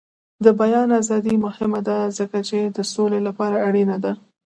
د بیان ازادي مهمه ده ځکه چې د سولې لپاره اړینه ده.